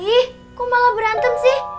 ih kok malah berantem sih